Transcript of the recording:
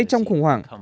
trong khủng hoảng